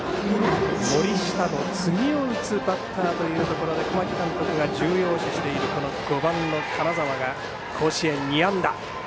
森下の次を打つバッターというところで小牧監督が重要視している５番の金沢が甲子園２安打。